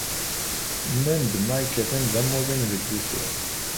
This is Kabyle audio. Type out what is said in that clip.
Nnan-d Mike atan d amuḍin deg wusu.